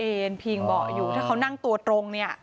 เองพุนปรีงเบาะอยู่ถ้าเขานั่งตัวตรง